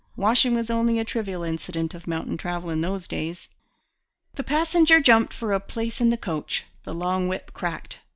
Washing was only a trivial incident of mountain travel in those days. The passenger jumped for a place in the coach; the long whip cracked.